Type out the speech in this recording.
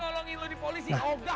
tolongin lo di polisi oh enggak